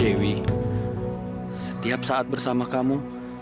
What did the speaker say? dewi setiap saat bersama kamu